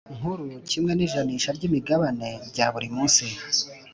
Nkuru kimwe n ijanisha ry imigabane rya buri munsi